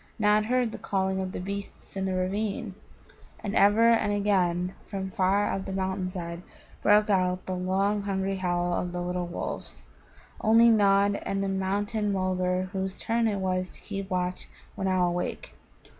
Nod heard the calling of the beasts in the ravine, and ever and again from far up the mountain side broke out the long hungry howl of the little wolves. Only Nod and the Mountain mulgar whose turn it was to keep watch were now awake.